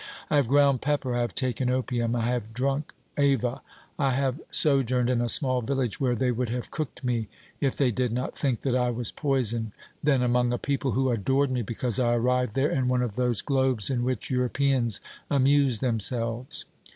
I have ground pepper ; I have taken opium; I have drunk ava, I have sojourned in a small village where they would have cooked me if they did not think that I was poison, then among a people who adored me because I arrived there in one of those globes in which Europeans amuse themselves.